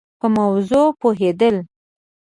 په موضوع پوهېد ل